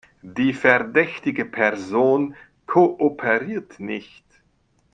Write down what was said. Die verdächtige Person kooperiert nicht.